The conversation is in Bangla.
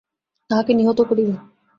তাঁহাকে নিহত করিবে।